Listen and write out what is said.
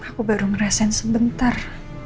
aku baru ngeresen sebentar